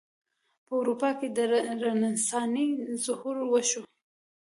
په اروپا کې د رنسانس ظهور وشو.